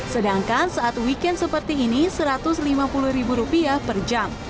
sedangkan saat weekend seperti ini rp satu ratus lima puluh per jam